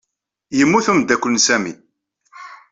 Yemmut umeddakel n Sami.